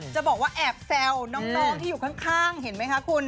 จะบอกว่าแอบแซวน้องที่อยู่ข้างเห็นไหมคะคุณ